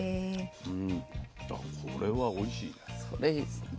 うんこれはおいしいね。